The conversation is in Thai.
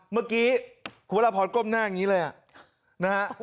เมื่อกี้คุณพระราบพอร์ตกล้มหน้าอย่างนี้เลยอ่ะนะฮะ